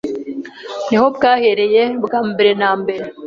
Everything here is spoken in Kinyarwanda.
niho bwahereye bwambere nambere